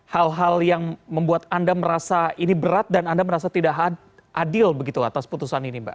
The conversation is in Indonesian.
hal hal yang membuat anda merasa ini berat dan anda merasa tidak adil begitu atas putusan ini mbak